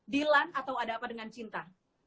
dilan atau ada apa dengan cinta